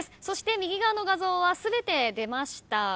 そして右側の画像は全て出ました。